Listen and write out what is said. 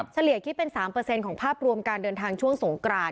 เฉลี่ยคิดเป็น๓ของภาพรวมการเดินทางช่วงสงกราน